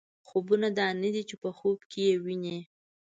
خوبونه دا نه دي چې په خوب کې یې وینئ.